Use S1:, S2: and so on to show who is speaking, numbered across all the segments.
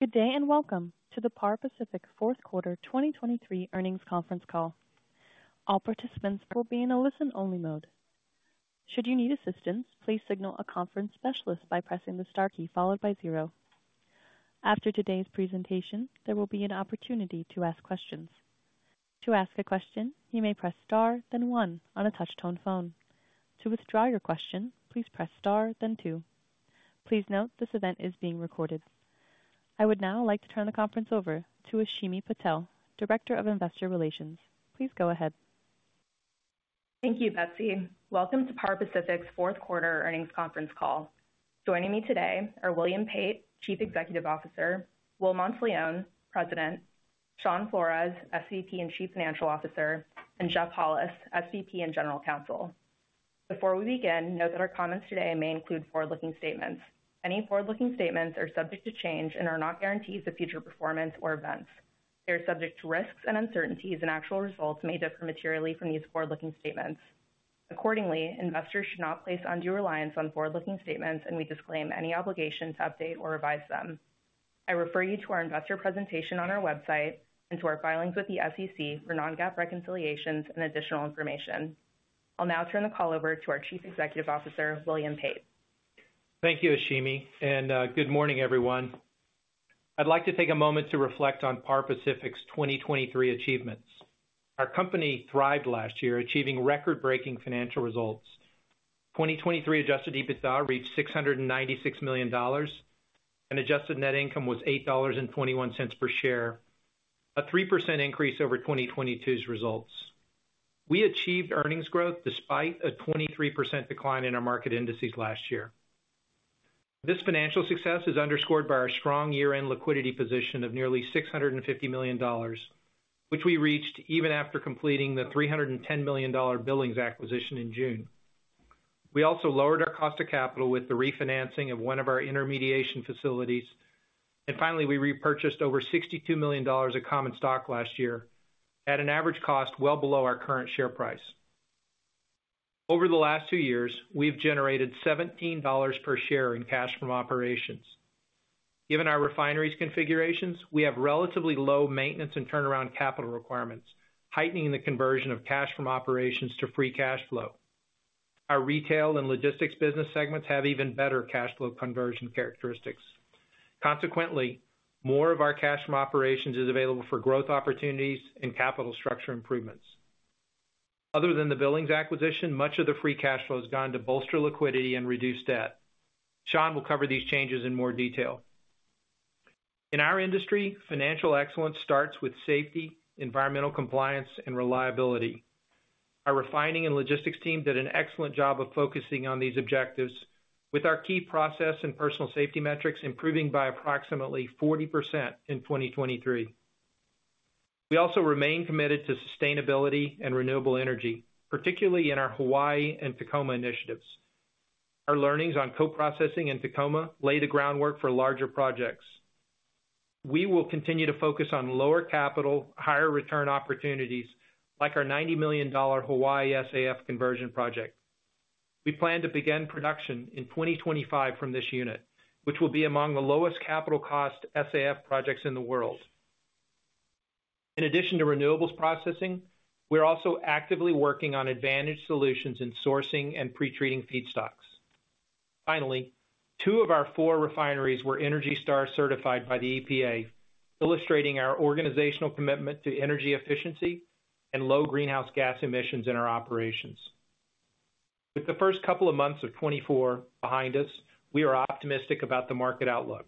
S1: Good day and welcome to the Par Pacific Fourth Quarter 2023 earnings conference call. All participants will be in a listen-only mode. Should you need assistance, please signal a conference specialist by pressing the star key followed by zero. After today's presentation, there will be an opportunity to ask questions. To ask a question, you may press star, then one on a touch-tone phone. To withdraw your question, please press star, then two. Please note this event is being recorded. I would now like to turn the conference over to Ashimi Patel, Director of Investor Relations. Please go ahead.
S2: Thank you, Betsy. Welcome to Par Pacific's Fourth Quarter earnings conference call. Joining me today are William Pate, Chief Executive Officer; Will Monteleone, President; Shawn Flores, SVP and Chief Financial Officer; and Jeff Hollis, SVP and General Counsel. Before we begin, note that our comments today may include forward-looking statements. Any forward-looking statements are subject to change and are not guarantees of future performance or events. They are subject to risks and uncertainties, and actual results may differ materially from these forward-looking statements. Accordingly, investors should not place undue reliance on forward-looking statements, and we disclaim any obligation to update or revise them. I refer you to our investor presentation on our website and to our filings with the SEC for non-GAAP reconciliations and additional information. I'll now turn the call over to our Chief Executive Officer, William Pate.
S3: Thank you, Ashimi. Good morning, everyone. I'd like to take a moment to reflect on Par Pacific's 2023 achievements. Our company thrived last year, achieving record-breaking financial results. 2023 adjusted EBITDA reached $696 million, and adjusted net income was $8.21 per share, a 3% increase over 2022's results. We achieved earnings growth despite a 23% decline in our market indices last year. This financial success is underscored by our strong year-end liquidity position of nearly $650 million, which we reached even after completing the $310 million Billings acquisition in June. We also lowered our cost of capital with the refinancing of one of our intermediation facilities, and finally, we repurchased over $62 million of common stock last year, at an average cost well below our current share price. Over the last two years, we've generated $17 per share in cash from operations. Given our refineries configurations, we have relatively low maintenance and turnaround capital requirements, heightening the conversion of cash from operations to free cash flow. Our retail and logistics business segments have even better cash flow conversion characteristics. Consequently, more of our cash from operations is available for growth opportunities and capital structure improvements. Other than the Billings acquisition, much of the free cash flow has gone to bolster liquidity and reduce debt. Shawn will cover these changes in more detail. In our industry, financial excellence starts with safety, environmental compliance, and reliability. Our refining and logistics team did an excellent job of focusing on these objectives, with our key process and personal safety metrics improving by approximately 40% in 2023. We also remain committed to sustainability and renewable energy, particularly in our Hawaii and Tacoma initiatives. Our learnings on co-processing in Tacoma lay the groundwork for larger projects. We will continue to focus on lower capital, higher return opportunities, like our $90 million Hawaii SAF conversion project. We plan to begin production in 2025 from this unit, which will be among the lowest capital cost SAF projects in the world. In addition to renewables processing, we're also actively working on advantaged solutions in sourcing and pretreating feedstocks. Finally, two of our four refineries were ENERGY STAR certified by the EPA, illustrating our organizational commitment to energy efficiency and low greenhouse gas emissions in our operations. With the first couple of months of 2024 behind us, we are optimistic about the market outlook.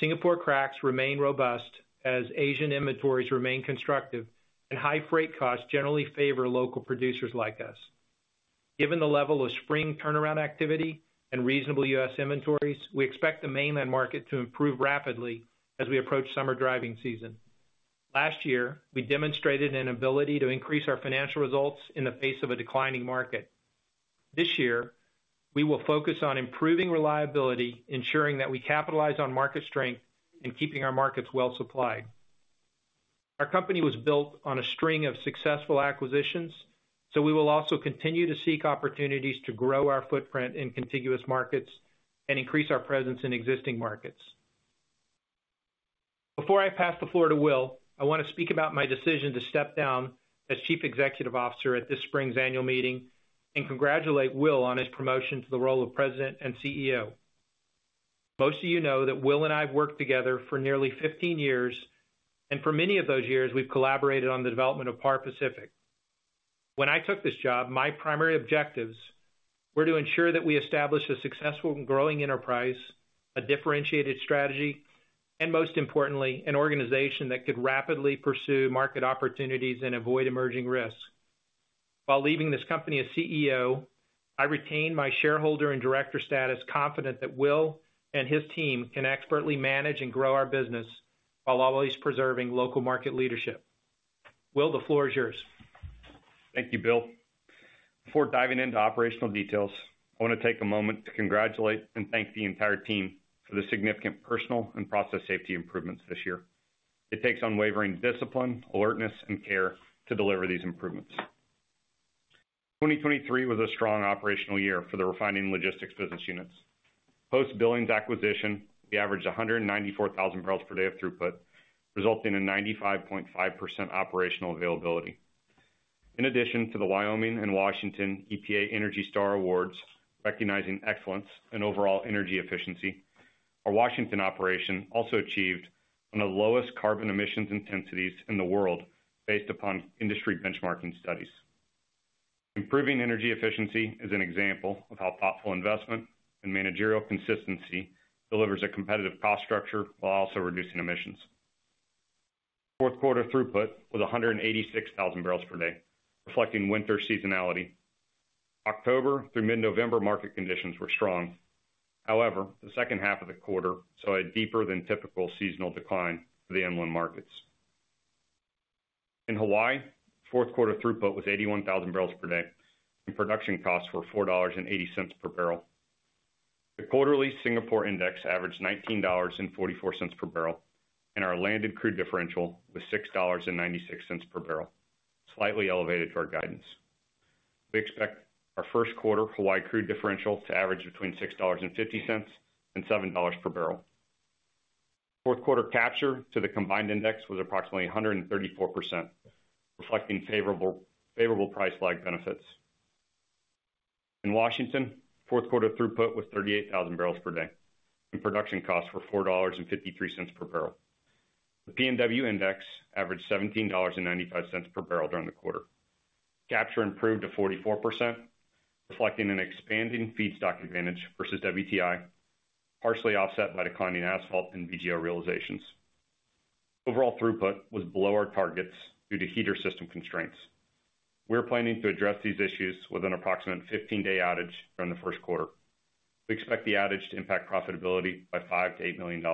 S3: Singapore cracks remain robust as Asian inventories remain constructive, and high freight costs generally favor local producers like us. Given the level of spring turnaround activity and reasonable U.S. inventories, we expect the mainland market to improve rapidly as we approach summer driving season. Last year, we demonstrated an ability to increase our financial results in the face of a declining market. This year, we will focus on improving reliability, ensuring that we capitalize on market strength and keeping our markets well supplied. Our company was built on a string of successful acquisitions, so we will also continue to seek opportunities to grow our footprint in contiguous markets and increase our presence in existing markets. Before I pass the floor to Will, I want to speak about my decision to step down as Chief Executive Officer at this spring's annual meeting and congratulate Will on his promotion to the role of President and CEO. Most of you know that Will and I have worked together for nearly 15 years, and for many of those years, we've collaborated on the development of Par Pacific. When I took this job, my primary objectives were to ensure that we establish a successful and growing enterprise, a differentiated strategy, and most importantly, an organization that could rapidly pursue market opportunities and avoid emerging risks. While leaving this company as CEO, I retained my shareholder and director status, confident that Will and his team can expertly manage and grow our business while always preserving local market leadership. Will, the floor is yours.
S4: Thank you, Bill. Before diving into operational details, I want to take a moment to congratulate and thank the entire team for the significant personal and process safety improvements this year. It takes unwavering discipline, alertness, and care to deliver these improvements. 2023 was a strong operational year for the refining and logistics business units. Post Billings acquisition, we averaged 194,000 barrels per day of throughput, resulting in 95.5% operational availability. In addition to the Wyoming and Washington EPA ENERGY STAR awards recognizing excellence and overall energy efficiency, our Washington operation also achieved one of the lowest carbon emissions intensities in the world based upon industry benchmarking studies. Improving energy efficiency is an example of how thoughtful investment and managerial consistency delivers a competitive cost structure while also reducing emissions. Fourth quarter throughput was 186,000 barrels per day, reflecting winter seasonality. October through mid-November market conditions were strong. However, the second half of the quarter saw a deeper than typical seasonal decline for the inland markets. In Hawaii, fourth quarter throughput was 81,000 barrels per day, and production costs were $4.80 per barrel. The quarterly Singapore index averaged $19.44 per barrel, and our landed crude differential was $6.96 per barrel, slightly elevated to our guidance. We expect our first quarter Hawaii crude differential to average between $6.50-$7 per barrel. Fourth quarter capture to the combined index was approximately 134%, reflecting favorable price lag benefits. In Washington, fourth quarter throughput was 38,000 barrels per day, and production costs were $4.53 per barrel. The PNW index averaged $17.95 per barrel during the quarter. Capture improved to 44%, reflecting an expanding feedstock advantage versus WTI, partially offset by declining asphalt and VGO realizations. Overall throughput was below our targets due to heater system constraints. We're planning to address these issues with an approximate 15-day outage during the first quarter. We expect the outage to impact profitability by $5 million-$8 million.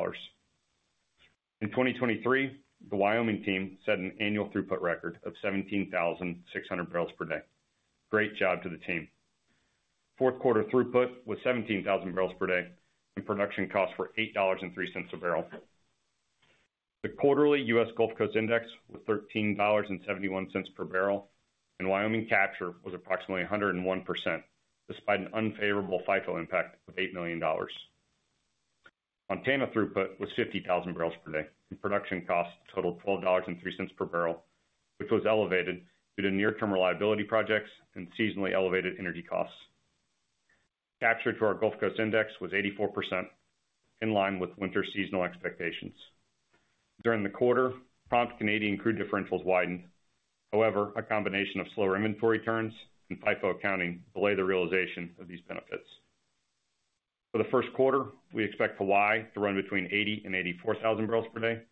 S4: In 2023, the Wyoming team set an annual throughput record of 17,600 barrels per day. Great job to the team. Fourth quarter throughput was 17,000 barrels per day, and production costs were $8.03 a barrel. The quarterly U.S. Gulf Coast Index was $13.71 per barrel, and Wyoming capture was approximately 101%, despite an unfavorable FIFO impact of $8 million. Montana throughput was 50,000 barrels per day, and production costs totaled $12.03 per barrel, which was elevated due to near-term reliability projects and seasonally elevated energy costs. Capture to our Gulf Coast Index was 84%, in line with winter seasonal expectations. During the quarter, prompt Canadian crude differentials widened. However, a combination of slower inventory turns and FIFO accounting delayed the realization of these benefits. For the first quarter, we expect Hawaii to run between 80,000-84,000 barrels per day,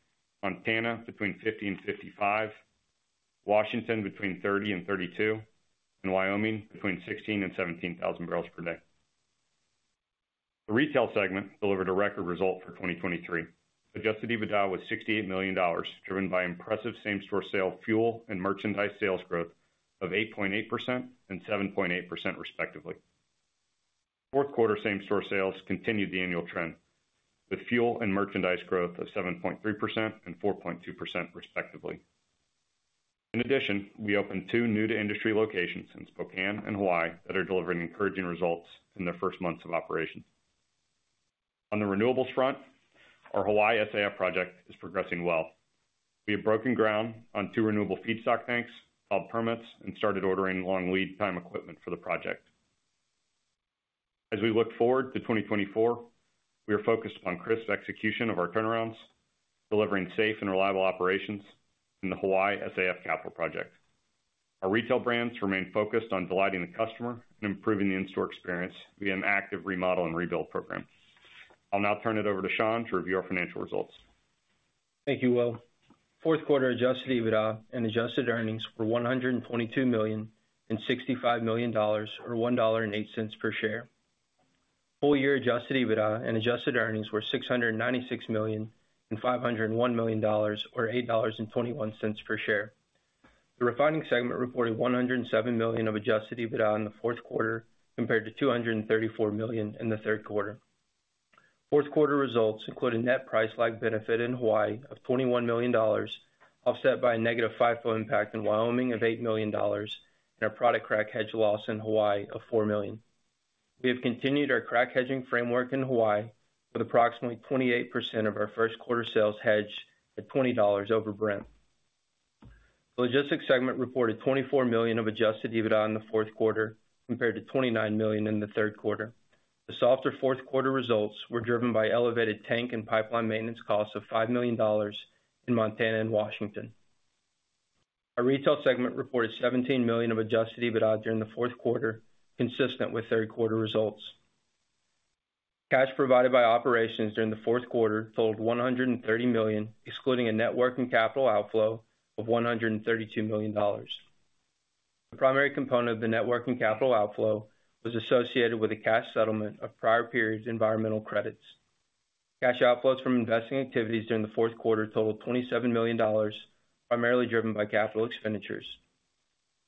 S4: Montana between 50,000-55,000 Washington between 30,000-32,000 and Wyoming between 16,000-17,000 barrels per day. The retail segment delivered a record result for 2023. Adjusted EBITDA was $68 million, driven by impressive same-store sale fuel and merchandise sales growth of 8.8% and 7.8%, respectively. Fourth quarter same-store sales continued the annual trend, with fuel and merchandise growth of 7.3% and 4.2%, respectively. In addition, we opened two new-to-industry locations in Spokane and Hawaii that are delivering encouraging results in their first months of operation. On the renewables front, our Hawaii SAF project is progressing well. We have broken ground on two renewable feedstock tanks, filed permits, and started ordering long lead time equipment for the project. As we look forward to 2024, we are focused upon crisp execution of our turnarounds, delivering safe and reliable operations in the Hawaii SAF capital project. Our retail brands remain focused on delighting the customer and improving the in-store experience via an active remodel and rebuild program. I'll now turn it over to Shawn to review our financial results.
S5: Thank you, Will. Fourth quarter adjusted EBITDA and adjusted earnings were $122 million and $65 million, or $1.08 per share. Whole year adjusted EBITDA and adjusted earnings were $696 million and $501 million, or $8.21 per share. The refining segment reported $107 million of adjusted EBITDA in the fourth quarter compared to $234 million in the third quarter. Fourth quarter results include a net price lag benefit in Hawaii of $21 million, offset by a negative FIFO impact in Wyoming of $8 million, and a product crack hedge loss in Hawaii of $4 million. We have continued our crack hedging framework in Hawaii, with approximately 28% of our first quarter sales hedged at $20 over Brent. The logistics segment reported $24 million of adjusted EBITDA in the fourth quarter compared to $29 million in the third quarter. The softer fourth quarter results were driven by elevated tank and pipeline maintenance costs of $5 million in Montana and Washington. Our retail segment reported $17 million of adjusted EBITDA during the fourth quarter, consistent with third quarter results. Cash provided by operations during the fourth quarter totaled $130 million, excluding a net working capital outflow of $132 million. The primary component of the net working capital outflow was associated with a cash settlement of prior period environmental credits. Cash outflows from investing activities during the fourth quarter totaled $27 million, primarily driven by capital expenditures.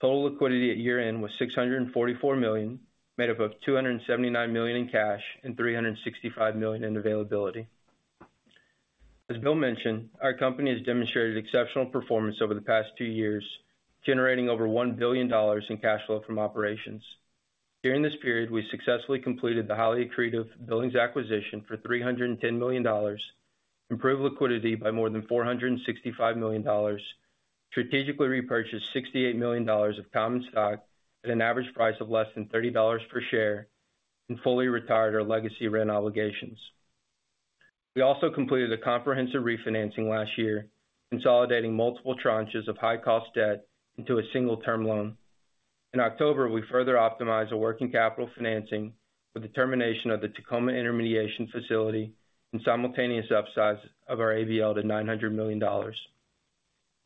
S5: Total liquidity at year-end was $644 million, made up of $279 million in cash and $365 million in availability. As Bill mentioned, our company has demonstrated exceptional performance over the past two years, generating over $1 billion in cash flow from operations. During this period, we successfully completed the highly accretive Billings acquisition for $310 million, improved liquidity by more than $465 million, strategically repurchased $68 million of common stock at an average price of less than $30 per share, and fully retired our legacy rent obligations. We also completed a comprehensive refinancing last year, consolidating multiple tranches of high-cost debt into a single term loan. In October, we further optimized our working capital financing with the termination of the Tacoma Intermediation Facility and simultaneous upsize of our ABL to $900 million.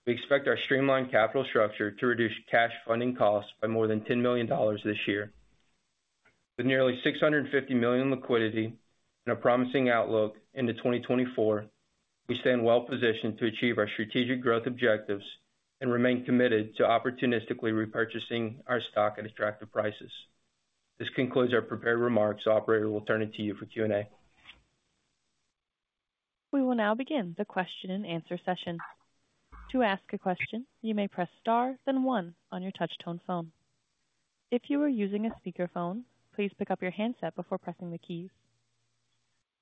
S5: We expect our streamlined capital structure to reduce cash funding costs by more than $10 million this year. With nearly $650 million liquidity and a promising outlook into 2024, we stand well positioned to achieve our strategic growth objectives and remain committed to opportunistically repurchasing our stock at attractive prices. This concludes our prepared remarks. Operator will turn it to you for Q&A.
S1: We will now begin the question-and-answer session. To ask a question, you may press star, then one on your touch-tone phone. If you are using a speakerphone, please pick up your handset before pressing the keys.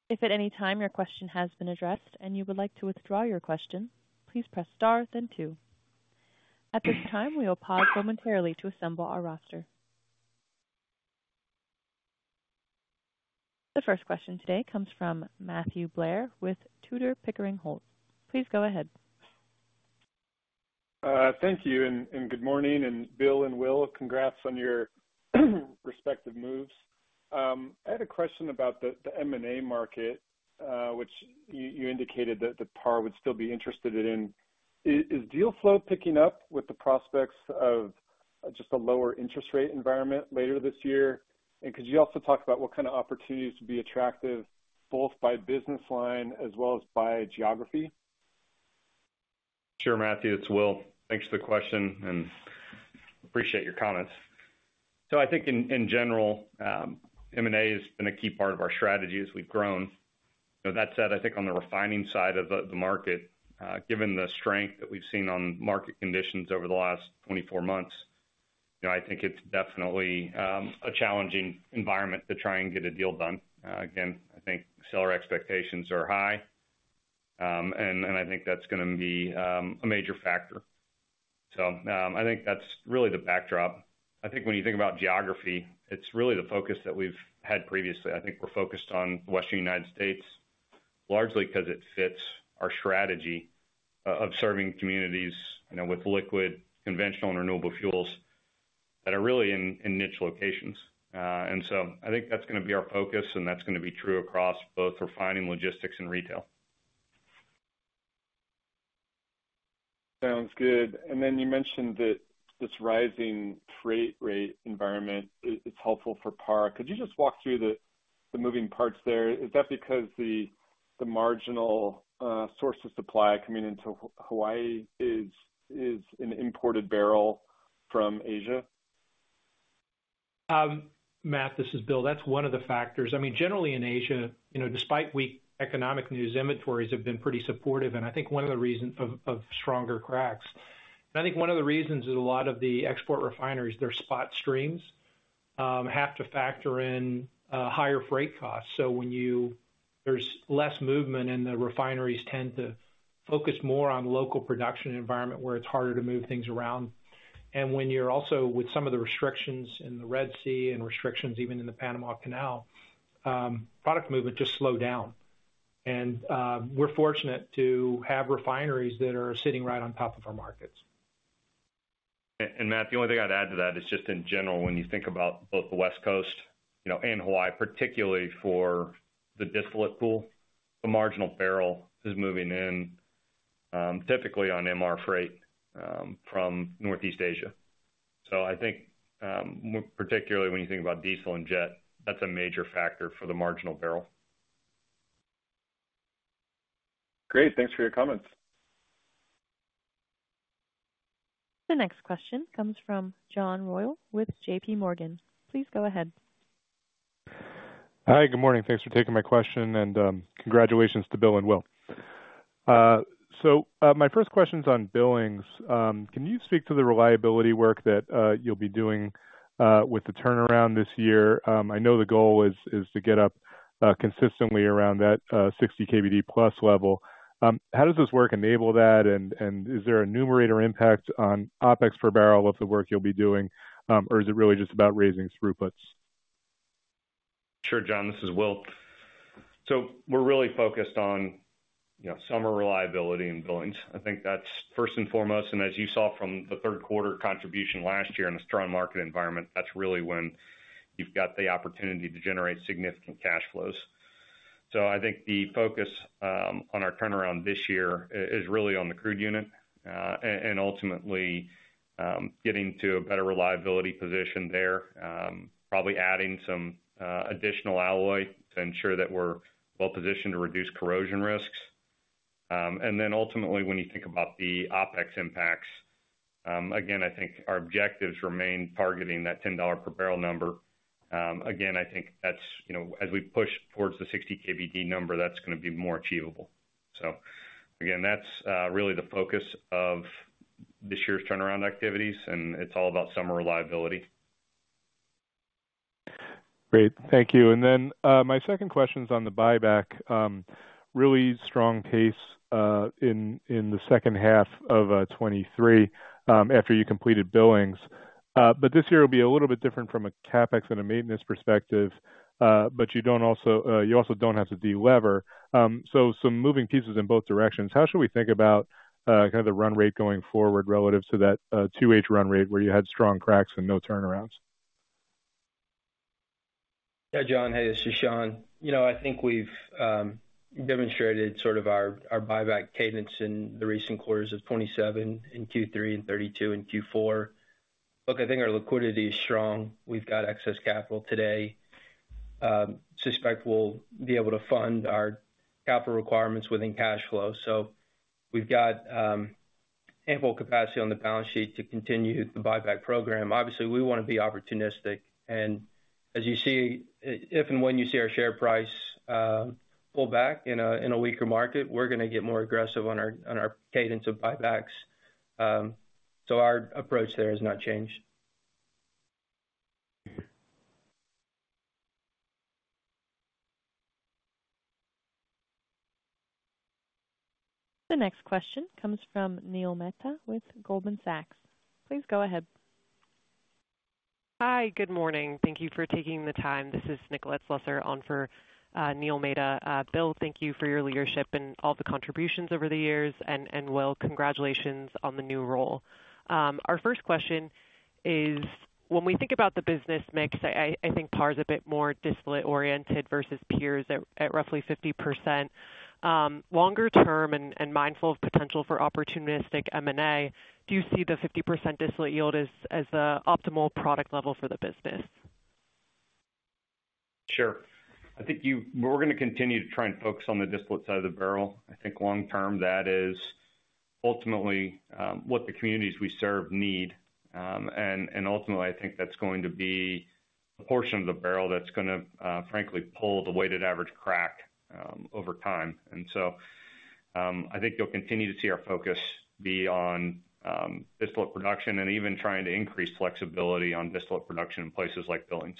S1: If at any time your question has been addressed and you would like to withdraw your question, please press star, then two. At this time, we will pause momentarily to assemble our roster. The first question today comes from Matthew Blair with Tudor, Pickering, Holt. Please go ahead.
S6: Thank you. Good morning. Bill and Will, congrats on your respective moves. I had a question about the M&A market, which you indicated that Par would still be interested in. Is deal flow picking up with the prospects of just a lower interest rate environment later this year? Could you also talk about what kind of opportunities to be attractive both by business line as well as by geography?
S4: Sure, Matthew. It's Will. Thanks for the question, and appreciate your comments. So I think, in general, M&A has been a key part of our strategy as we've grown. That said, I think on the refining side of the market, given the strength that we've seen on market conditions over the last 24 months, I think it's definitely a challenging environment to try and get a deal done. Again, I think seller expectations are high, and I think that's going to be a major factor. So I think that's really the backdrop. I think when you think about geography, it's really the focus that we've had previously. I think we're focused on the Western United States, largely because it fits our strategy of serving communities with liquid, conventional, and renewable fuels that are really in niche locations. I think that's going to be our focus, and that's going to be true across both refining logistics and retail.
S6: Sounds good. Then you mentioned that this rising freight rate environment is helpful for PAR. Could you just walk through the moving parts there? Is that because the marginal source of supply coming into Hawaii is an imported barrel from Asia?
S3: Matt, this is Bill. That's one of the factors. I mean, generally in Asia, despite weak economic news, inventories have been pretty supportive, and I think one of the reasons of stronger cracks and I think one of the reasons is a lot of the export refineries, their spot streams have to factor in higher freight costs. So when there's less movement, and the refineries tend to focus more on local production environment where it's harder to move things around. And when you're also with some of the restrictions in the Red Sea and restrictions even in the Panama Canal, product movement just slowed down. And we're fortunate to have refineries that are sitting right on top of our markets.
S4: Matt, the only thing I'd add to that is just, in general, when you think about both the West Coast and Hawaii, particularly for the distillate pool, the marginal barrel is moving in, typically on MR freight from Northeast Asia. So I think, particularly when you think about diesel and jet, that's a major factor for the marginal barrel.
S6: Great. Thanks for your comments.
S1: The next question comes from John Royall with JPMorgan. Please go ahead.
S7: Hi. Good morning. Thanks for taking my question, and congratulations to Bill and Will. So my first question is on Billings. Can you speak to the reliability work that you'll be doing with the turnaround this year? I know the goal is to get up consistently around that 60 KBD-plus level. How does this work enable that, and is there a numerator impact on OPEX per barrel of the work you'll be doing, or is it really just about raising throughputs?
S4: Sure, John. This is Will. So we're really focused on summer reliability in Billings. I think that's first and foremost. And as you saw from the third quarter contribution last year in a strong market environment, that's really when you've got the opportunity to generate significant cash flows. So I think the focus on our turnaround this year is really on the crude unit and ultimately getting to a better reliability position there, probably adding some additional alloy to ensure that we're well positioned to reduce corrosion risks. And then ultimately, when you think about the OPEX impacts, again, I think our objectives remain targeting that $10 per barrel number. Again, I think that's as we push towards the 60 KBD number, that's going to be more achievable. So again, that's really the focus of this year's turnaround activities, and it's all about summer reliability.
S7: Great. Thank you. And then my second question is on the buyback. Really strong pace in the second half of 2023 after you completed Billings. But this year will be a little bit different from a CAPEX and a maintenance perspective, but you also don't have to de-lever. So some moving pieces in both directions. How should we think about kind of the run rate going forward relative to that 2H run rate where you had strong cracks and no turnarounds?
S5: Yeah, John. Hey, this is Shawn. I think we've demonstrated sort of our buyback cadence in the recent quarters of '27 in Q3 and '32 in Q4. Look, I think our liquidity is strong. We've got excess capital today. Suspect we'll be able to fund our capital requirements within cash flow. So we've got ample capacity on the balance sheet to continue the buyback program. Obviously, we want to be opportunistic. As you see, if and when you see our share price pull back in a weaker market, we're going to get more aggressive on our cadence of buybacks. So our approach there has not changed.
S1: The next question comes from Neil Mehta with Goldman Sachs. Please go ahead.
S8: Hi. Good morning. Thank you for taking the time. This is Nicolette Slusser on for Neil Mehta. Bill, thank you for your leadership and all the contributions over the years. And Will, congratulations on the new role. Our first question is, when we think about the business mix, I think PAR is a bit more distillate-oriented versus peers at roughly 50%. Longer term and mindful of potential for opportunistic M&A, do you see the 50% distillate yield as the optimal product level for the business?
S4: Sure. I think we're going to continue to try and focus on the distillate side of the barrel. I think long term, that is ultimately what the communities we serve need. And ultimately, I think that's going to be a portion of the barrel that's going to, frankly, pull the weighted average crack over time. And so I think you'll continue to see our focus be on distillate production and even trying to increase flexibility on distillate production in places like Billings.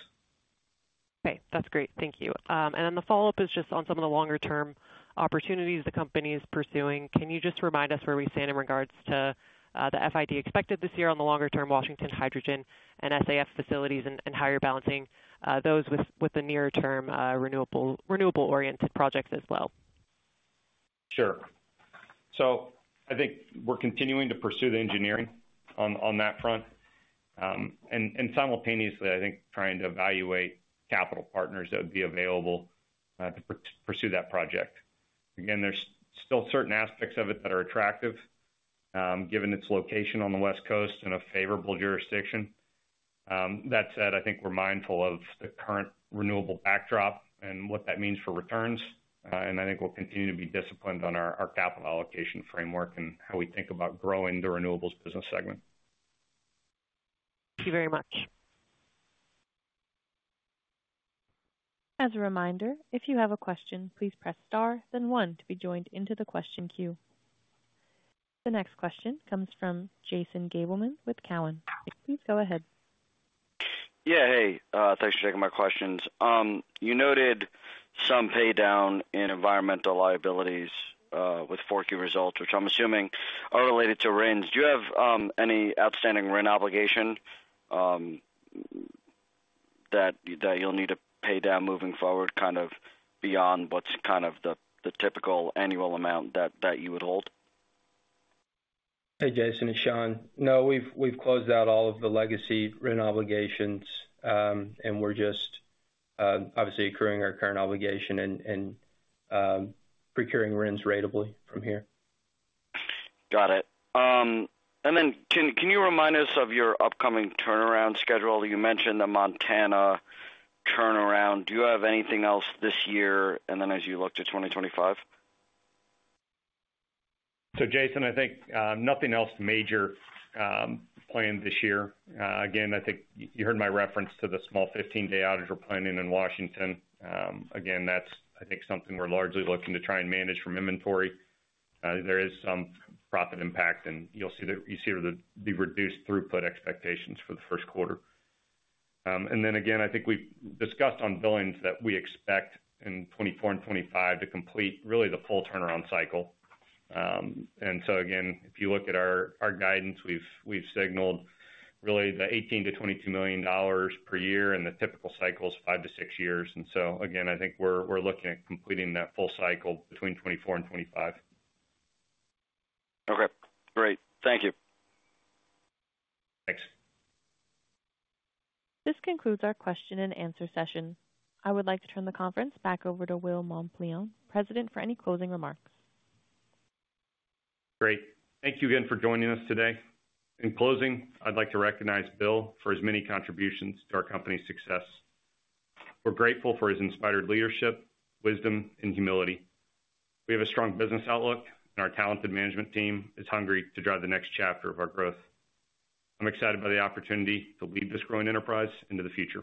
S8: Okay. That's great. Thank you. And then the follow-up is just on some of the longer-term opportunities the company is pursuing. Can you just remind us where we stand in regards to the FID expected this year on the longer-term Washington Hydrogen and SAF facilities and how balancing those with the near-term renewable-oriented projects as well?
S4: Sure. So I think we're continuing to pursue the engineering on that front and simultaneously, I think, trying to evaluate capital partners that would be available to pursue that project. Again, there's still certain aspects of it that are attractive given its location on the West Coast and a favorable jurisdiction. That said, I think we're mindful of the current renewable backdrop and what that means for returns. And I think we'll continue to be disciplined on our capital allocation framework and how we think about growing the renewables business segment.
S8: Thank you very much.
S1: As a reminder, if you have a question, please press star, then one to be joined into the question queue. The next question comes from Jason Gabelman with TD Cowen. Please go ahead.
S9: Yeah. Hey. Thanks for checking my questions. You noted some paydown in environmental liabilities with 4Q results, which I'm assuming are related to RINs. Do you have any outstanding RIN obligation that you'll need to pay down moving forward kind of beyond what's kind of the typical annual amount that you would hold?
S5: Hey, Jason. It's Shawn. No, we've closed out all of the legacy RIN obligations, and we're just obviously accruing our current obligation and procuring RINs ratably from here.
S9: Got it. And then can you remind us of your upcoming turnaround schedule? You mentioned the Montana turnaround. Do you have anything else this year, and then as you look to 2025?
S4: So, Jason, I think nothing else major planned this year. Again, I think you heard my reference to the small 15-day outage we're planning in Washington. Again, that's, I think, something we're largely looking to try and manage from inventory. There is some profit impact, and you'll see the reduced throughput expectations for the first quarter. Then again, I think we've discussed on Billings that we expect in 2024 and 2025 to complete really the full turnaround cycle. So again, if you look at our guidance, we've signaled really the $18 million-$22 million per year, and the typical cycle is five to six years. So again, I think we're looking at completing that full cycle between 2024 and 2025.
S9: Okay. Great. Thank you.
S4: Thanks.
S1: This concludes our question-and-answer session. I would like to turn the conference back over to Will Monteleone, President, for any closing remarks.
S4: Great. Thank you again for joining us today. In closing, I'd like to recognize Bill for his many contributions to our company's success. We're grateful for his inspired leadership, wisdom, and humility. We have a strong business outlook, and our talented management team is hungry to drive the next chapter of our growth. I'm excited by the opportunity to lead this growing enterprise into the future.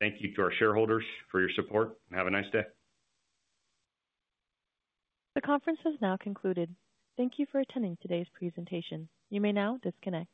S4: Thank you to our shareholders for your support, and have a nice day.
S1: The conference has now concluded. Thank you for attending today's presentation. You may now disconnect.